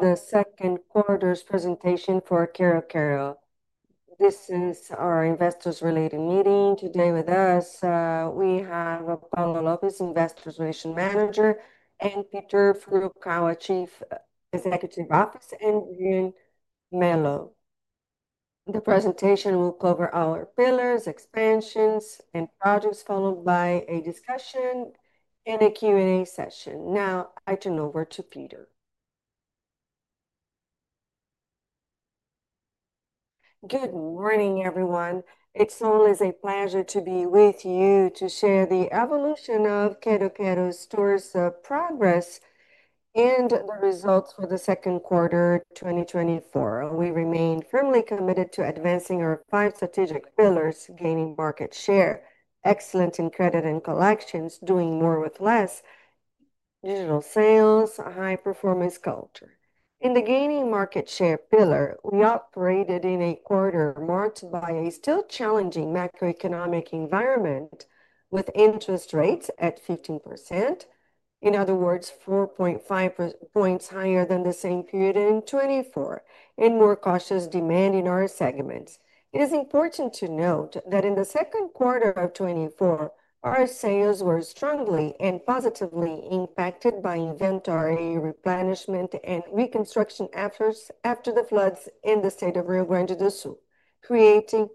The second quarter's presentation for Quero-Quero. This is our investors' related meeting. Today with us, we have Paula Lopes, Investor Relations Manager, and Peter Furukawa, Chief Executive Officer, and Jean Pablo de Mello. The presentation will cover our pillars, expansions, and projects, followed by a discussion and a Q&A session. Now, I turn over to Peter. Good morning, everyone. It's always a pleasure to be with you to share the evolution of Quero-Quero stores' progress and the results for the second quarter 2024. We remain firmly committed to advancing our five strategic pillars: gaining market share, excellence in credit and collections, doing more with less, digital sales, and a high-performance culture. In the gaining market share pillar, we operated in a quarter marked by a still challenging macroeconomic environment, with interest rates at 15%, in other words, 4.5 points higher than the same period in 2024, and more cautious demand in our segments. It is important to note that in the second quarter of 2024, our sales were strongly and positively impacted by inventory replenishment and reconstruction efforts after the floods in the state of Rio Grande do Sul, creating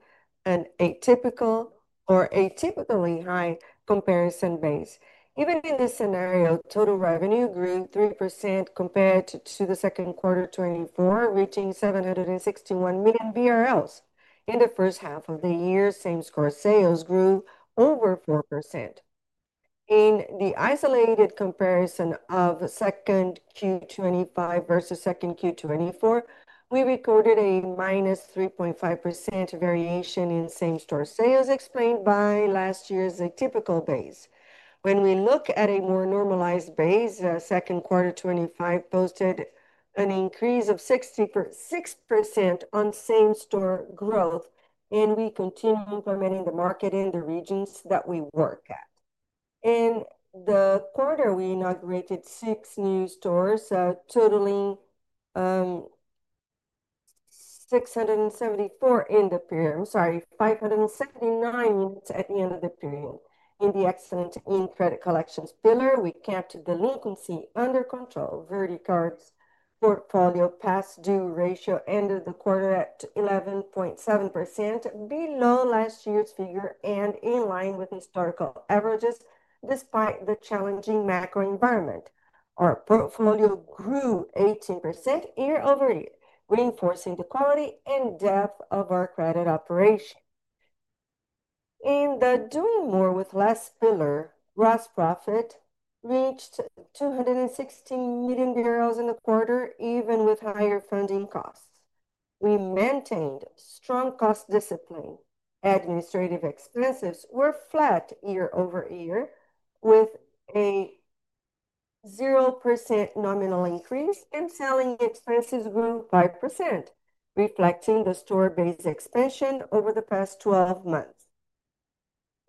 an atypical or atypically high comparison base. Even in this scenario, total revenue grew 3% compared to the second quarter of 2024, reaching 761 million BRL. In the first half of the year, same-store sales grew over 4%. In the isolated comparison of second Q 2025 versus second Q 2024, we recorded a -3.5% variation in same-store sales, explained by last year's atypical base. When we look at a more normalized base, second quarter 2025 posted an increase of 6% on same-store growth, and we continue permitting the market in the regions that we work at. In the quarter, we inaugurated six new stores, totaling 674 in the period, I'm sorry, 579 at the end of the period. In the excellence in credit collections pillar, we kept the latency under control. VerdeCard's portfolio pass-through ratio ended the quarter at 11.7%, below last year's figure and in line with historical averages, despite the challenging macro environment. Our portfolio grew 18% year-over-year, reinforcing the quality and depth of our credit operation. In the doing more with less pillar, gross profit reached BRL 216 million in the quarter, even with higher funding costs. We maintained strong cost discipline. Administrative expenses were flat year over year, with a 0% nominal increase, and selling expenses grew 5%, reflecting the store base expansion over the past 12 months.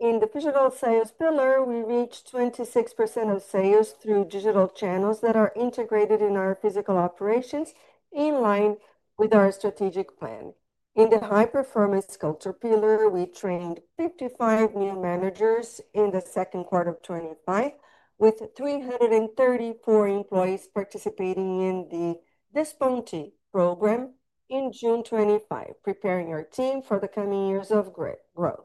In the digital sales pillar, we reached 26% of sales through digital channels that are integrated in our physical operations, in line with our strategic plan. In the high-performance culture pillar, we trained 55 new managers in the second quarter of 2025, with 334 employees participating in the Desponte program in June 2025, preparing our team for the coming years of growth.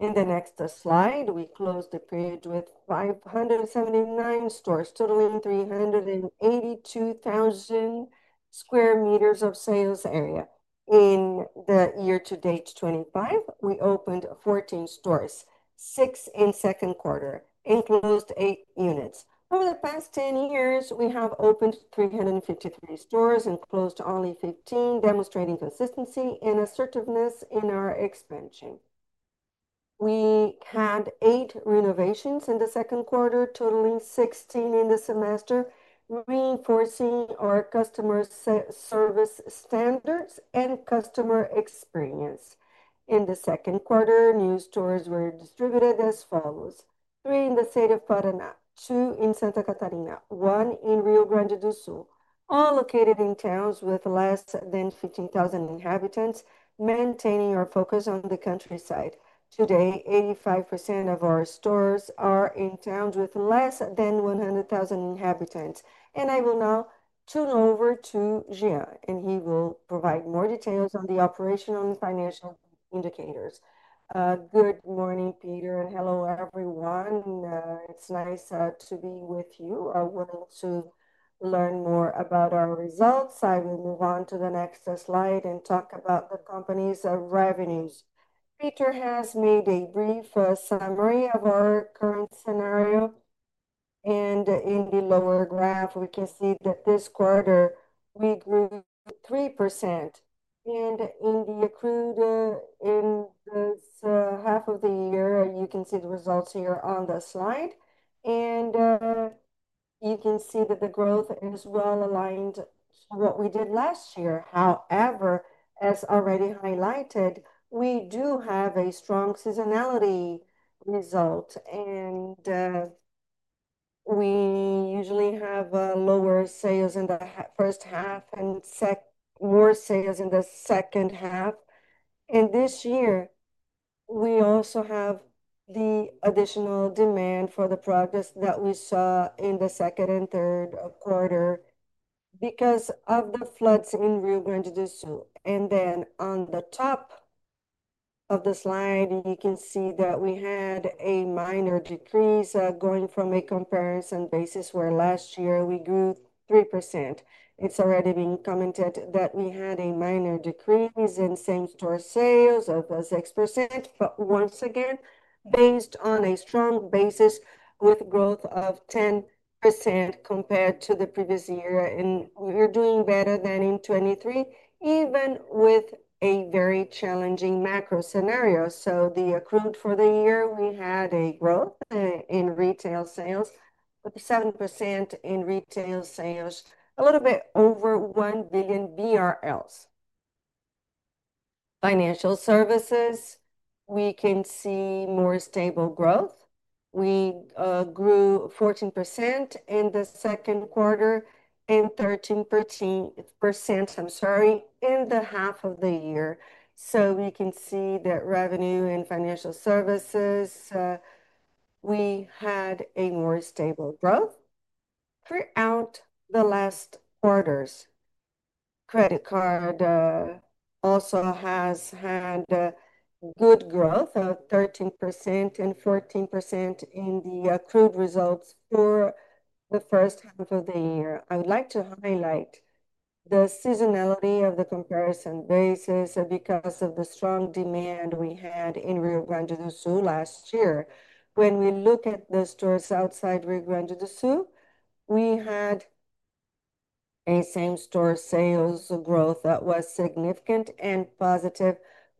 In the next slide, we close the page with 579 stores, totaling 382,000 sq. m. of sales area. In the year-to-date 2025, we opened 14 stores, six in the second quarter, and closed eight units. Over the past 10 years, we have opened 353 stores and closed only 15, demonstrating consistency and assertiveness in our expansion. We had eight renovations in the second quarter, totaling 16 in the semester, reinforcing our customer service standards and customer experience. In the second quarter, new stores were distributed as follows: three in the state of Paraná, two in Santa Catarina, one in Rio Grande do Sul, all located in towns with less than 15,000 inhabitants, maintaining our focus on the countryside. Today, 85% of our stores are in towns with less than 100,000 inhabitants. I will now turn over to Jean, and he will provide more details on the operational and financial indicators. Good morning, Peter, and hello, everyone. It's nice to be with you. We're able to learn more about our results. I will move on to the next slide and talk about the company's revenues. Peter has made a brief summary of our current scenario, and in the lower graph, we can see that this quarter we grew 3%. In the accrued in this half of the year, you can see the results here on the slide. You can see that the growth is well aligned to what we did last year. However, as already highlighted, we do have a strong seasonality result, and we usually have lower sales in the first half and more sales in the second half. This year, we also have the additional demand for the projects that we saw in the second and third quarter because of the floods in Rio Grande do Sul. On the top of the slide, you can see that we had a minor decrease going from a comparison basis where last year we grew 3%. It's already been commented that we had a minor decrease in same-store sales of 6%, but once again, based on a strong basis with growth of 10% compared to the previous year, and we're doing better than in 2023, even with a very challenging macro scenario. The accrued for the year, we had a growth in retail sales of 7% in retail sales, a little bit over 1 billion BRL. Financial services, we can see more stable growth. We grew 14% in the second quarter and 13%, I'm sorry, in the half of the year. We can see that revenue and financial services, we had a more stable growth throughout the last quarters. Credit card also has had good growth of 13% and 14% in the accrued results for the first half of the year. I would like to highlight the seasonality of the comparison basis because of the strong demand we had in Rio Grande do Sul last year. When we look at the stores outside Rio Grande do Sul, we had a same-store sales growth that was significant and positive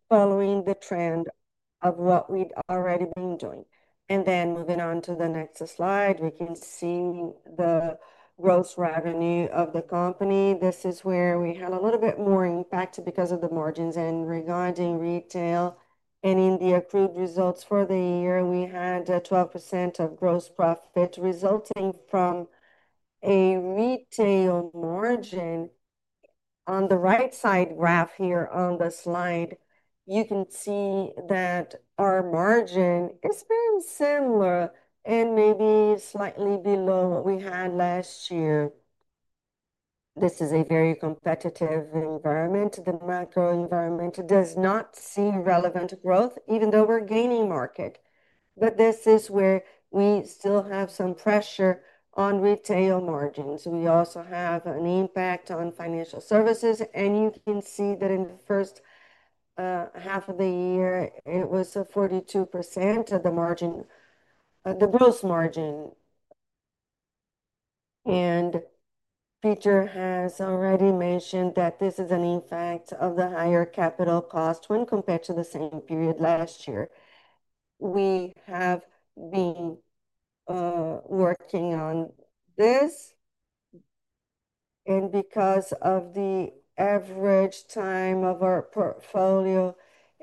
following the trend of what we'd already been doing. Moving on to the next slide, we can see the gross revenue of the company. This is where we had a little bit more impact because of the margins and regarding retail. In the accrued results for the year, we had 12% of gross profit resulting from a retail margin. On the right side graph here on the slide, you can see that our margin has been similar and maybe slightly below what we had last year. This is a very competitive environment. The macro environment does not see relevant growth, even though we're gaining market. This is where we still have some pressure on retail margins. We also have an impact on financial services, and you can see that in the first half of the year, it was 42% of the gross margin. Peter has already mentioned that this is an impact of the higher capital cost when compared to the same period last year. We have been working on this, and because of the average time of our portfolio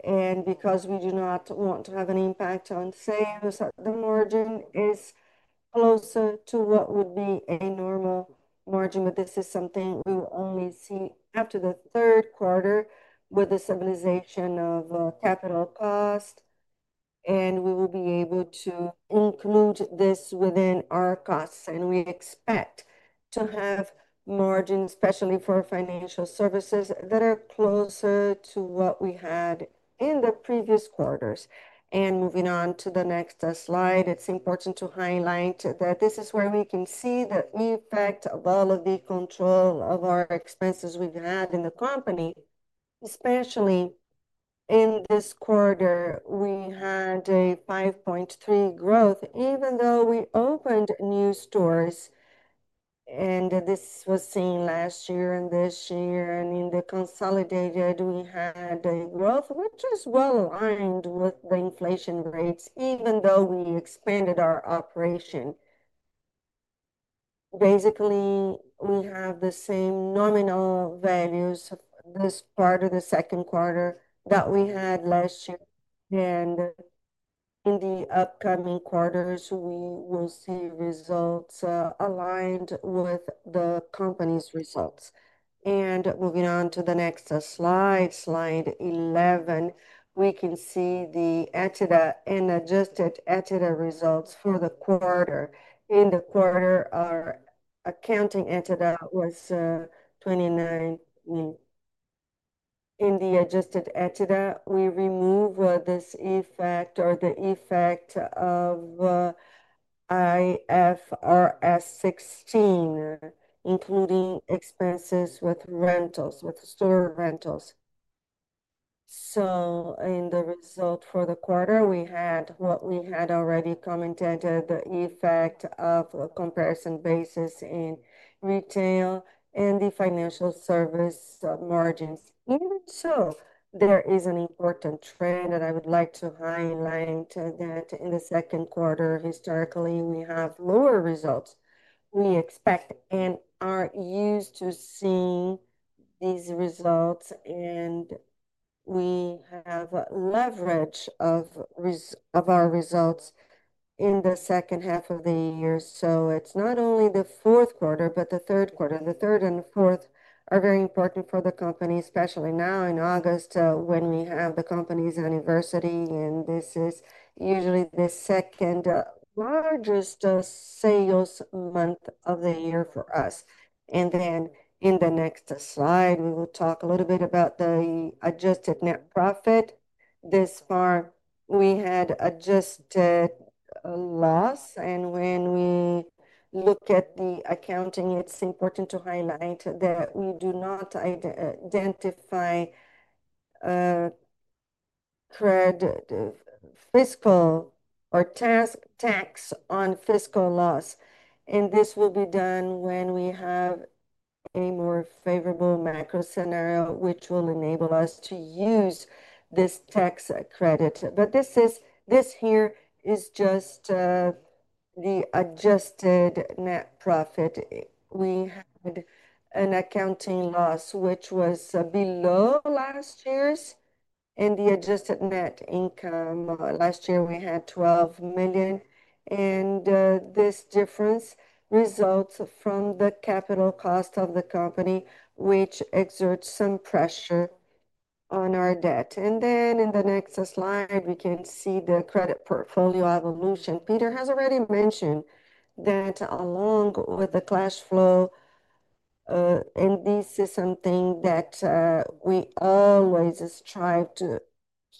and because we do not want to have an impact on sales, the margin is closer to what would be a normal margin. This is something we will only see after the third quarter with the stabilization of capital cost, and we will be able to include this within our costs. We expect to have margins, especially for financial services, that are closer to what we had in the previous quarters. Moving on to the next slide, it's important to highlight that this is where we can see the impact of all of the control of our expenses we've had in the company, especially in this quarter. We had a 5.3% growth, even though we opened new stores. This was seen last year and this year. In the consolidated, we had a growth which is well aligned with the inflation rates, even though we expanded our operation. Basically, we have the same nominal values this part of the second quarter that we had last year. In the upcoming quarters, we will see results aligned with the company's results. Moving on to the next slide, slide 11, we can see the EBITDA and adjusted EBITDA results for the quarter. In the quarter, our accounting EBITDA was [29]. In the adjusted EBITDA, we remove this effect or the effect of IFRS 16, including expenses with rentals, with store rentals. In the result for the quarter, we had what we had already commented, the effect of a comparison basis in retail and the financial service margins. Even so, there is an important trend, and I would like to highlight that in the second quarter, historically, we have lower results. We expect and are used to seeing these results. We have leverage of our results in the second half of the year. It's not only the fourth quarter, but the third quarter. The third and the fourth are very important for the company, especially now in August when we have the company's anniversary. This is usually the second largest sales month of the year for us. In the next slide, we will talk a little bit about the adjusted net profit. This far, we had adjusted loss. When we look at the accounting, it's important to highlight that we do not identify credit fiscal or tax on fiscal loss. This will be done when we have a more favorable macroeconomic environment, which will enable us to use this tax credit. This here is just the adjusted net profit. We had an accounting loss, which was below last year's, and the adjusted net income last year, we had 12 million. This difference results from the capital cost of the company, which exerts some pressure on our debt. In the next slide, we can see the credit portfolio evolution. Peter has already mentioned that along with the cash flow, and this is something that we always strive to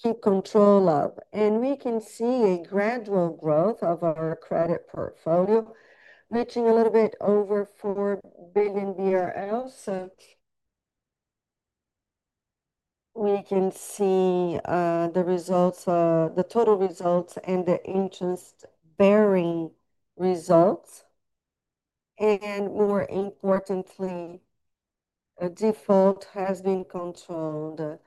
keep control of. We can see a gradual growth of our credit portfolio, reaching a little bit over BRL 4 billion. We can see the results, the total results, and the interest-bearing results. More importantly, the default has been controlled.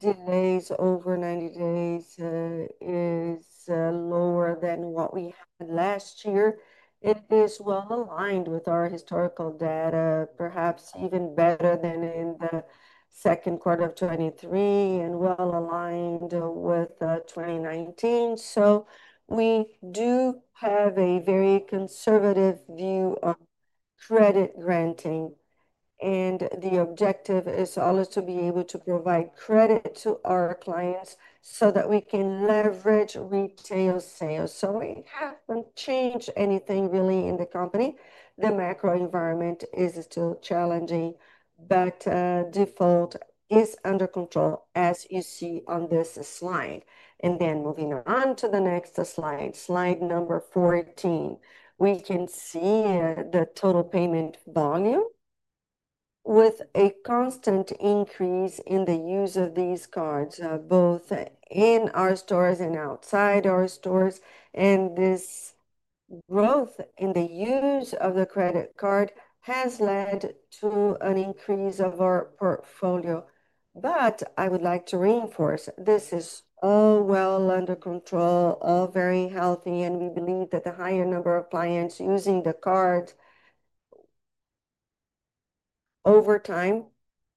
Delays over 90 days are lower than what we had last year. It is well aligned with our historical data, perhaps even better than in the second quarter of 2023 and well aligned with 2019. We do have a very conservative view of credit granting. The objective is always to be able to provide credit to our clients so that we can leverage retail sales. We haven't changed anything really in the company. The macroeconomic environment is still challenging, but default is under control, as you see on this slide. Moving on to the next slide, slide number 14, we can see the total payment volume with a constant increase in the use of these cards, both in our stores and outside our stores. This growth in the use of the credit card has led to an increase of our portfolio. I would like to reinforce this is all well under control, all very healthy, and we believe that the higher number of clients using the card, over time,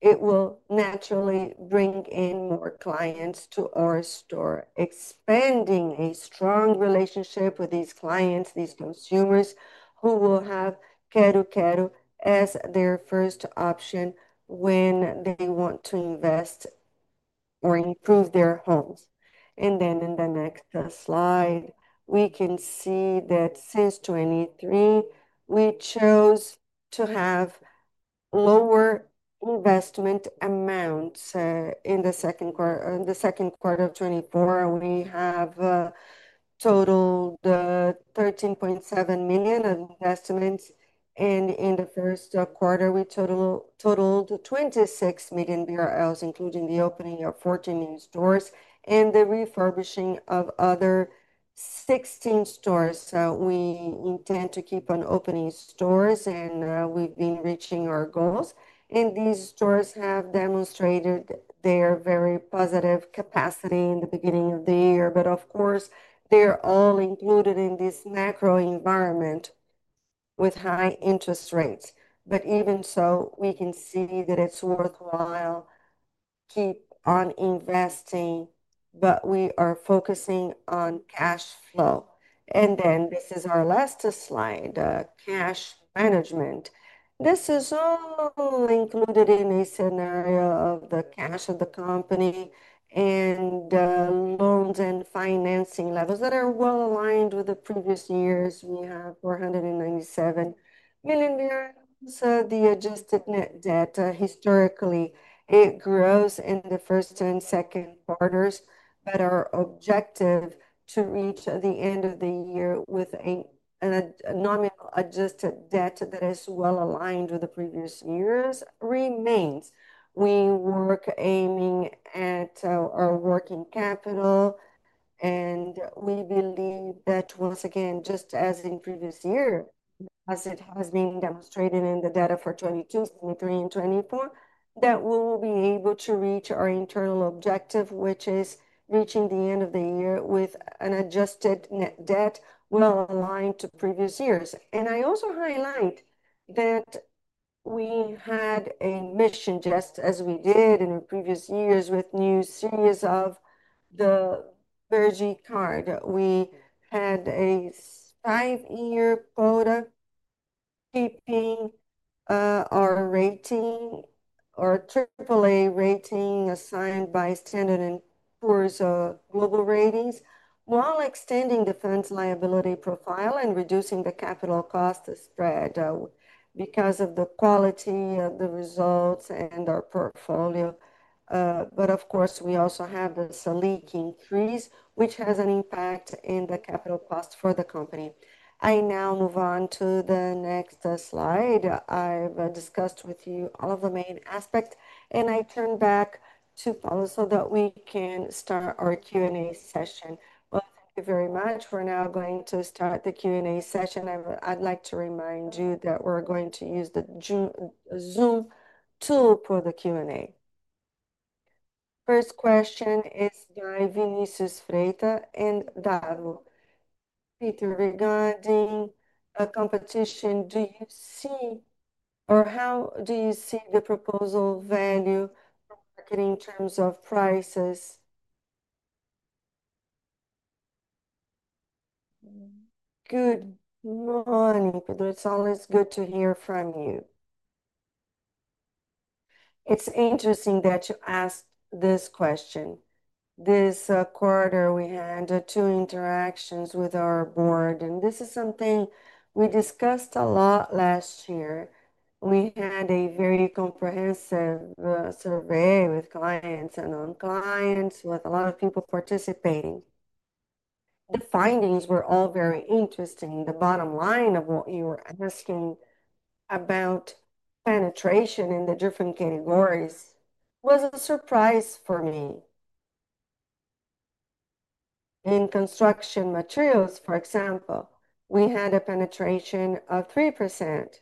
it will naturally bring in more clients to our store, expanding a strong relationship with these clients, these consumers who will have Quero-Quero as their first option when they want to invest or improve their homes. In the next slide, we can see that since 2023, we chose to have lower investment amounts in the second quarter of 2024. We have totaled 13.7 million in investments. In the first quarter, we totaled 26 million, including the opening of 14 new stores and the refurbishing of another 16 stores. We intend to keep on opening stores, and we've been reaching our goals. These stores have demonstrated their very positive capacity in the beginning of the year. Of course, they're all included in this macroeconomic environment with high interest rates. Even so, we can see that it's worthwhile to keep on investing, but we are focusing on cash flow. This is our last slide, cash management. This is all included in a scenario of the cash of the company and loans and financing levels that are well aligned with the previous years. We have BRL 497 million. The adjusted net debt, historically, it grows in the first and second quarters, but our objective to reach the end of the year with a nominal adjusted debt that is well aligned with the previous years remains. We work aiming at our working capital, and we believe that once again, just as in previous years, as it has been demonstrated in the data for 2022, 2023, and 2024, that we will be able to reach our internal objective, which is reaching the end of the year with an adjusted net debt well aligned to previous years. I also highlight that we had a mission, just as we did in previous years with a new series of the VerdeCard. We had a five-year quota keeping our rating, our AAA rating assigned by Standard & Poor's Global Ratings, while extending the fund's liability profile and reducing the capital cost spread because of the quality of the results and our portfolio. Of course, we also have the Selic increase, which has an impact in the capital cost for the company. I now move on to the next slide. I've discussed with you all of the main aspects, and I turn back to Paula so that we can start our Q&A session. Thank you very much. We're now going to start the Q&A session. I'd like to remind you that we're going to use the Zoom tool for the Q&A. First question is by [Vinicius Freita and Dadu]. Peter, regarding competition, do you see or how do you see the proposal value for market in terms of prices? Good morning, [Peter]. It's always good to hear from you. It's interesting that you asked this question. This quarter, we had two interactions with our board, and this is something we discussed a lot last year. We had a very comprehensive survey with clients and non-clients with a lot of people participating. The findings were all very interesting. The bottom line of what you were asking about penetration in the different categories was a surprise for me. In construction materials, for example, we had a penetration of 3%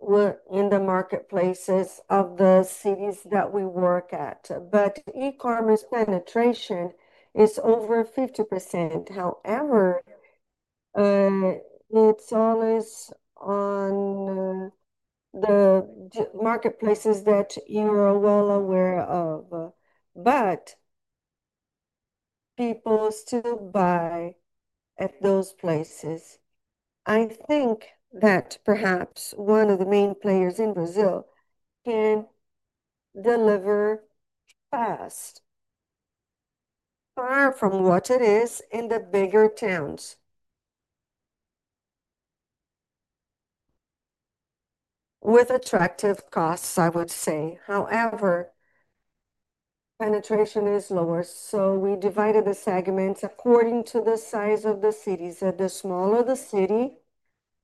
in the marketplaces of the cities that we work at. E-commerce penetration is over 50%. However, it's always on the marketplaces that you're well aware of. People still buy at those places. I think that perhaps one of the main players in Brazil can deliver fast, far from what it is in the bigger towns with attractive costs, I would say. However, penetration is lower. We divided the segments according to the size of the cities. The smaller the city,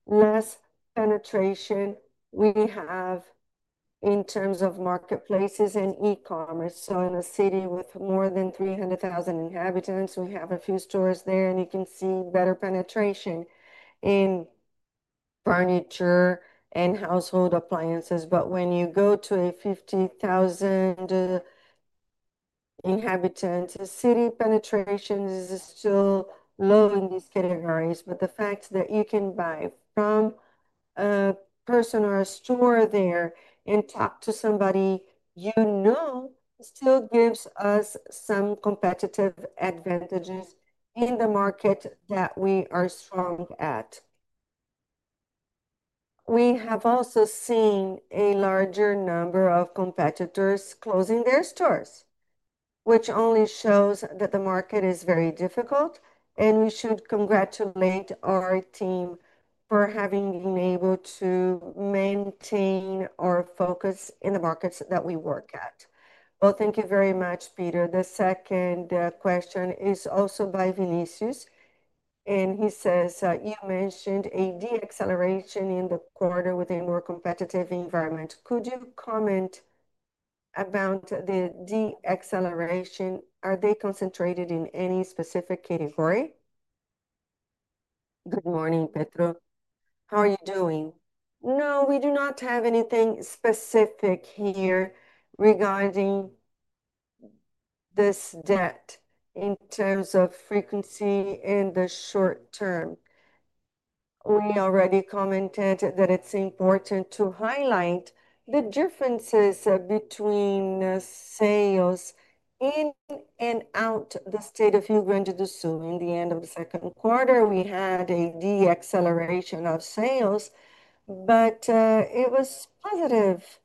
less penetration we have in terms of marketplaces and e-commerce. In a city with more than 300,000 inhabitants, we have a few stores there, and you can see better penetration in furniture and household appliances. When you go to a 50,000 inhabitant city, penetration is still low in these categories. The fact that you can buy from a person or a store there and talk to somebody you know still gives us some competitive advantages in the market that we are strong at. We have also seen a larger number of competitors closing their stores, which only shows that the market is very difficult. We should congratulate our team for having been able to maintain our focus in the markets that we work at. Thank you very much, Peter. The second question is also by [Vinicius], and he says, "You mentioned a de-acceleration in the quarter with a more competitive environment. Could you comment about the de-acceleration? Are they concentrated in any specific category?" Good morning, Peter. How are you doing? No, we do not have anything specific here regarding this debt in terms of frequency in the short term. We already commented that it's important to highlight the differences between the sales in and out of the state of Rio Grande do Sul. In the end of the second quarter, we had a de-acceleration of sales, but it was positive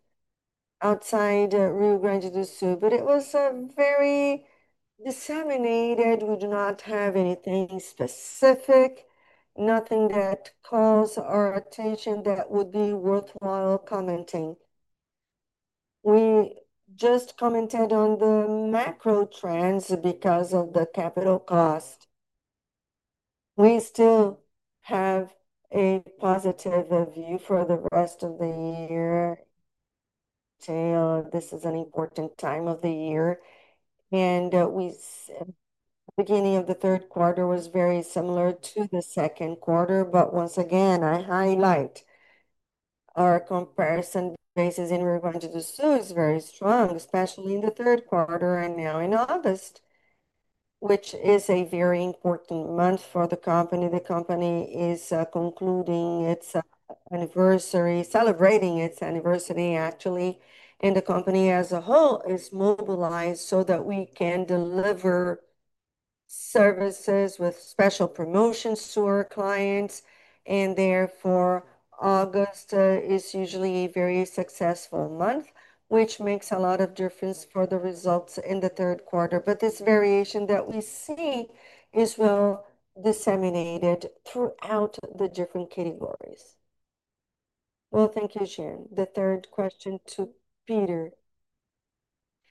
outside Rio Grande do Sul. It was very disseminated. We do not have anything specific, nothing that calls our attention that would be worthwhile commenting. We just commented on the macro trends because of the capital cost. We still have a positive view for the rest of the year. This is an important time of the year. The beginning of the third quarter was very similar to the second quarter. Once again, I highlight our comparison basis in Rio Grande do Sul is very strong, especially in the third quarter and now in August, which is a very important month for the company. The company is concluding its anniversary, celebrating its anniversary, actually. The company as a whole is mobilized so that we can deliver services with special promotions to our clients. Therefore, August is usually a very successful month, which makes a lot of difference for the results in the third quarter. This variation that we see is well disseminated throughout the different categories. Thank you, Jean. The third question to Peter,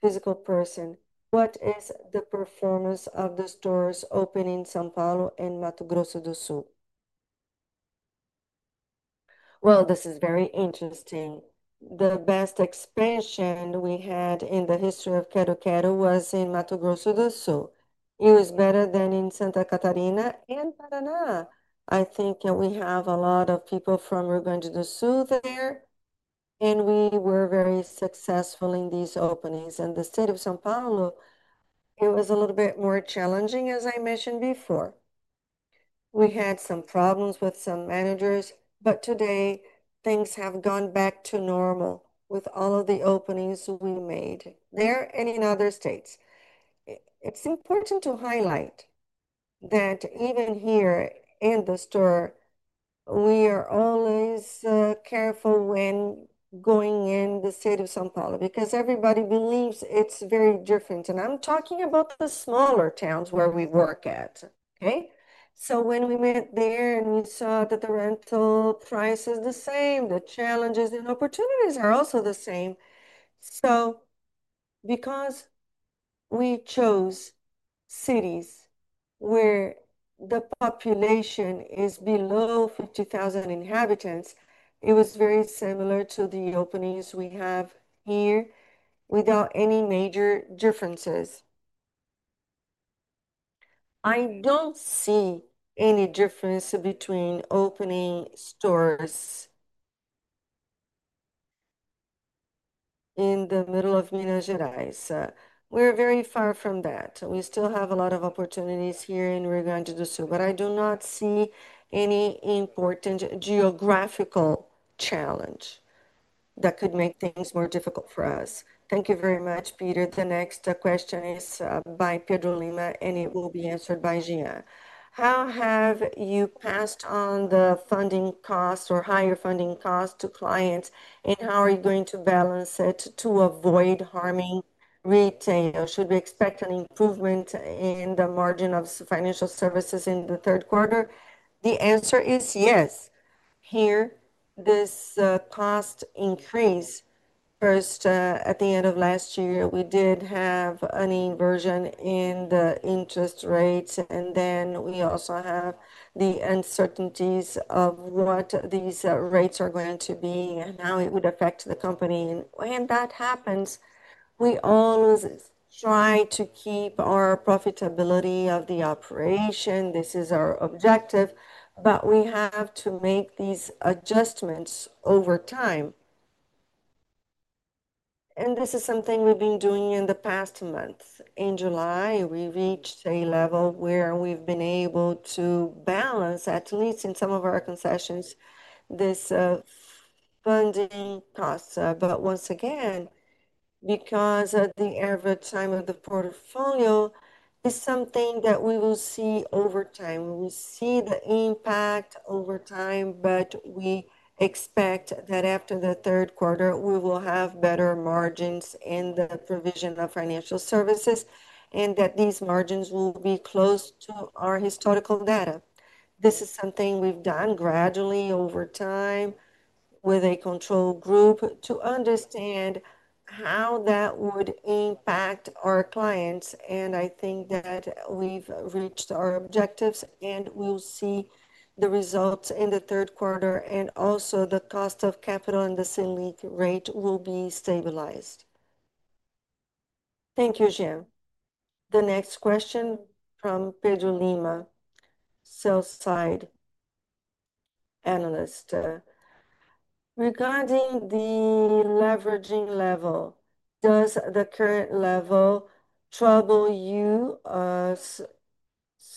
physical person, "What is the performance of the stores opening in São Paulo and Mato Grosso do Sul?" This is very interesting. The best expansion we had in the history of Quero-Quero was in Mato Grosso do Sul. It was better than in Santa Catarina and Paraná. I think we have a lot of people from Rio Grande do Sul there, and we were very successful in these openings. In the state of São Paulo, it was a little bit more challenging, as I mentioned before. We had some problems with some managers, but today, things have gone back to normal with all of the openings we made there and in other states. It's important to highlight that even here in the store, we are always careful when going in the state of São Paulo because everybody believes it's very different. I'm talking about the smaller towns where we work at. When we went there and we saw that the rental price is the same, the challenges and opportunities are also the same. Because we chose cities where the population is below 50,000 inhabitants, it was very similar to the openings we have here without any major differences. I don't see any difference between opening stores in the middle of Minas Gerais. We're very far from that. We still have a lot of opportunities here in Rio Grande do Sul, but I do not see any important geographical challenge that could make things more difficult for us. Thank you very much, Peter. The next question is by [Pedro Lima], and it will be answered by Jean. "How have you passed on the funding costs or higher funding costs to clients, and how are you going to balance it to avoid harming retail? Should we expect an improvement in the margin of financial services in the third quarter?" The answer is yes. Here, this cost increase, first at the end of last year, we did have an inversion in the interest rates, and then we also have the uncertainties of what these rates are going to be and how it would affect the company. When that happens, we always try to keep our profitability of the operation. This is our objective, but we have to make these adjustments over time. This is something we've been doing in the past months. In July, we reached a level where we've been able to balance, at least in some of our concessions, this funding cost. Once again, because of the average time of the portfolio, it's something that we will see over time. We will see the impact over time, but we expect that after the third quarter, we will have better margins in the provision of financial services and that these margins will be close to our historical data. This is something we've done gradually over time with a control group to understand how that would impact our clients. I think that we've reached our objectives, and we'll see the results in the third quarter, and also the cost of capital and the Salic rate will be stabilized. Thank you, Jean. The next question from [Pedro Lima], sales side analyst. "Regarding the leveraging level, does the current level trouble you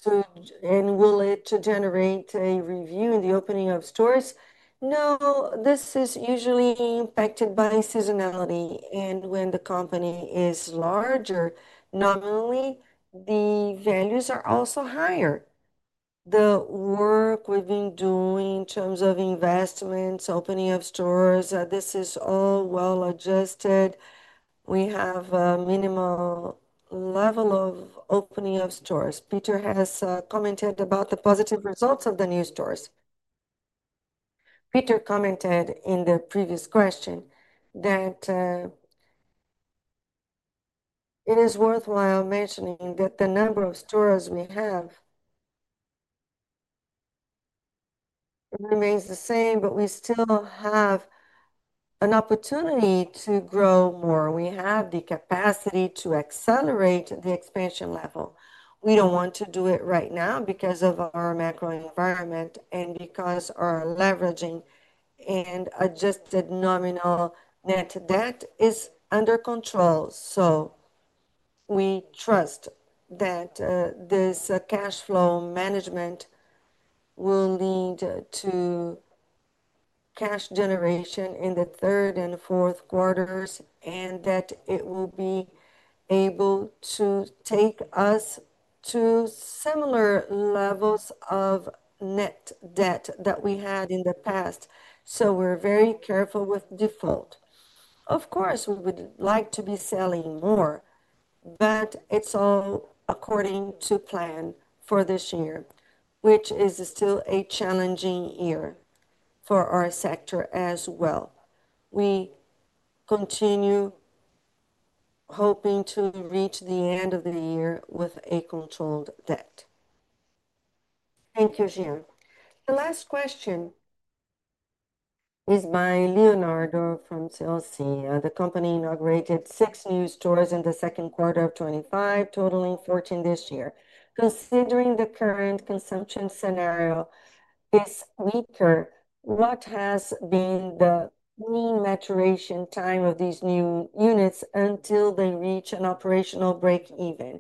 and will it to generate a review in the opening of stores?" No, this is usually impacted by seasonality. When the company is larger, nominally, the values are also higher. The work we've been doing in terms of investments, opening of stores, this is all well adjusted. We have a minimal level of opening of stores. Peter has commented about the positive results of the new stores. Peter commented in the previous question that it is worthwhile mentioning that the number of stores we have remains the same, but we still have an opportunity to grow more. We have the capacity to accelerate the expansion level. We don't want to do it right now because of our macro environment and because our leveraging and adjusted nominal net debt is under control. We trust that this cash flow management will lead to cash generation in the third and fourth quarters, and that it will be able to take us to similar levels of net debt that we had in the past. We're very careful with default. Of course, we would like to be selling more, but it's all according to plan for this year, which is still a challenging year for our sector as well. We continue hoping to reach the end of the year with a controlled debt. Thank you, Jean. The last question is by [Leonardo] from [CLC]. "The company inaugurated six new stores in the second quarter of 2025, totaling 14 this year. Considering the current consumption scenario is weaker, what has been the mean maturation time of these new units until they reach an operational break-even?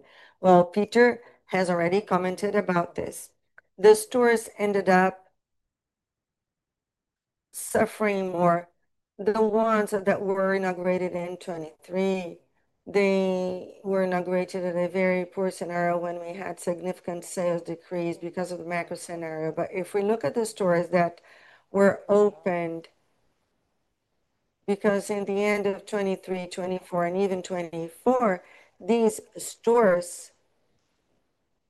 Peter has already commented about this. The stores ended up suffering more, the ones that were inaugurated in 2023. They were inaugurated at a very poor scenario when we had significant sales decrease because of the macro scenario. If we look at the stores that were opened in the end of 2023, 2024, and even 2024, these stores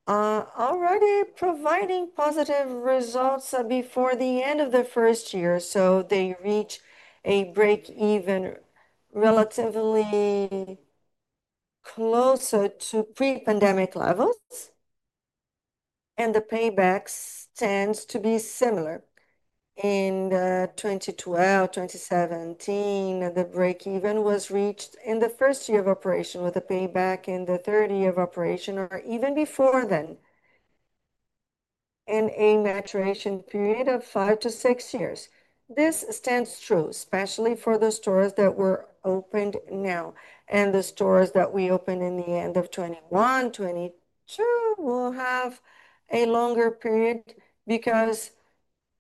are already providing positive results before the end of the first year. They reach a break-even relatively closer to pre-pandemic levels, and the payback tends to be similar. In 2012, 2017, the break-even was reached in the first year of operation with a payback in the third year of operation or even before then, and a maturation period of five to six years. This stands true, especially for the stores that were opened now. The stores that we opened in the end of 2021, 2022 will have a longer period because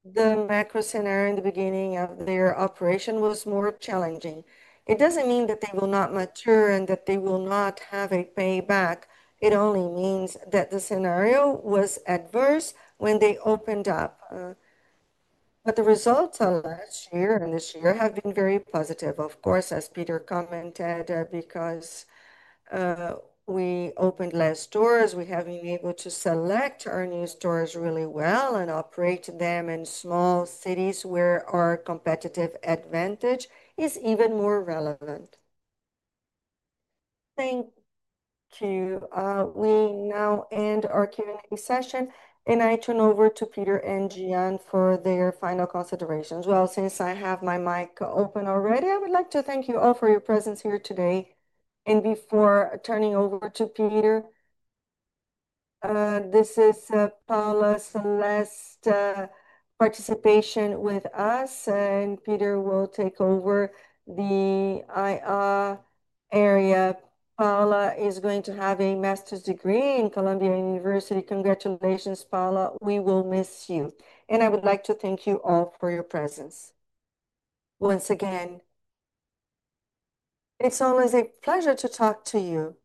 the macro scenario in the beginning of their operation was more challenging. It doesn't mean that they will not mature and that they will not have a payback. It only means that the scenario was adverse when they opened up. The results of last year and this year have been very positive, of course, as Peter commented, because we opened less stores. We have been able to select our new stores really well and operate them in small cities where our competitive advantage is even more relevant. Thank you. We now end our Q&A session, and I turn over to Peter and Jean for their final considerations. Since I have my mic open already, I would like to thank you all for your presence here today. Before turning over to Peter, this is Paula's last participation with us, and Peter will take over the IR area. Paula is going to have a master's degree in Columbia University. Congratulations, Paula. We will miss you. I would like to thank you all for your presence. Once again, it's always a pleasure to talk to you.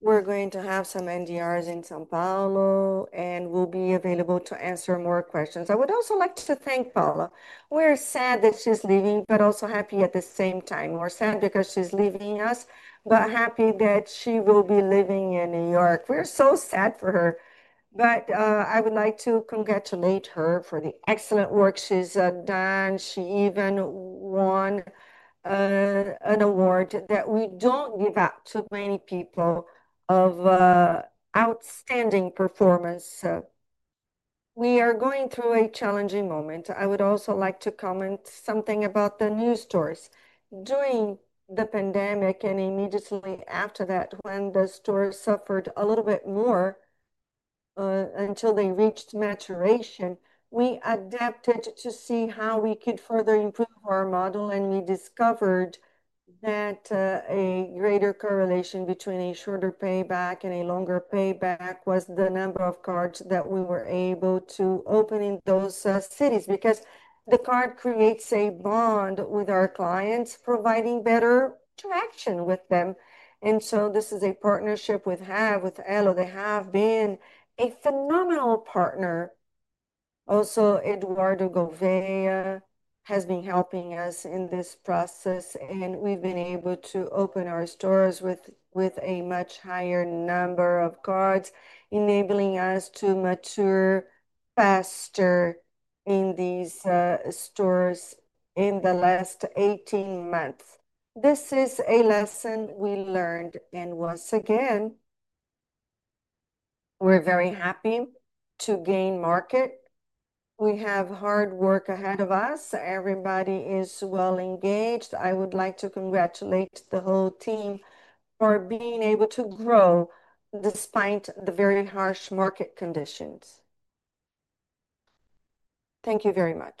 We're going to have some NDRs in São Paulo, and we'll be available to answer more questions. I would also like to thank Paula. We're sad that she's leaving, but also happy at the same time. We're sad because she's leaving us, but happy that she will be living in New York. We're so sad for her. I would like to congratulate her for the excellent work she's done. She even won an award that we don't give out to many people of outstanding performance. We are going through a challenging moment. I would also like to comment something about the new stores. During the pandemic and immediately after that, when the stores suffered a little bit more until they reached maturation, we adapted to see how we could further improve our model. We discovered that a greater correlation between a shorter payback and a longer payback was the number of cards that we were able to open in those cities because the card creates a bond with our clients, providing better interaction with them. This is a partnership we have with Elo. They have been a phenomenal partner. Also, Eduardo Gouveia has been helping us in this process, and we've been able to open our stores with a much higher number of cards, enabling us to mature faster in these stores in the last 18 months. This is a lesson we learned. Once again, we're very happy to gain market. We have hard work ahead of us. Everybody is well engaged. I would like to congratulate the whole team for being able to grow despite the very harsh market conditions. Thank you very much.